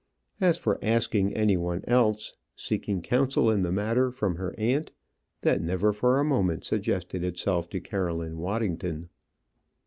As for asking any one else, seeking counsel in the matter from her aunt, that never for a moment suggested itself to Caroline Waddington.